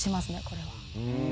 これは。